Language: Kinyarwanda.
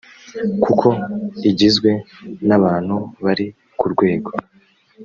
kuko igizwe n abantu bari ku rwego